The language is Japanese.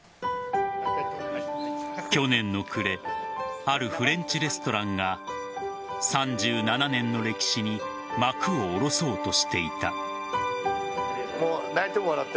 去年の暮れあるフレンチレストランが３７年の歴史に幕を下ろそうとしていた。